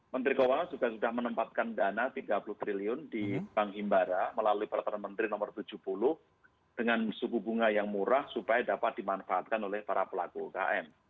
menteri keuangan juga sudah menempatkan dana tiga puluh triliun di bank imbara melalui peraturan menteri no tujuh puluh dengan suku bunga yang murah supaya dapat dimanfaatkan oleh para pelaku ukm